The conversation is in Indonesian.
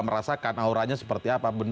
merasakan auranya seperti apa